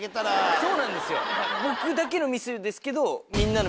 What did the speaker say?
そうなんですよ！